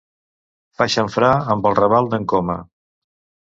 Fa xamfrà amb el Raval d'en Coma.